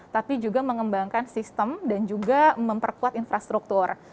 tapi juga mengembangkan sistem dan juga memperkuat infrastruktur